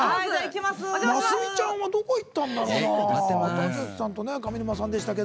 ますみちゃんはどこ行ったんだろうな。